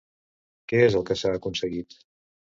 Què és el que s'ha aconseguit?